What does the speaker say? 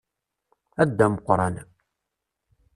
A Dda Meqqran.